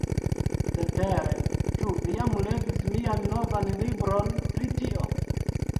Cetere, ĉu vi jam legis mian novan libron pri tio?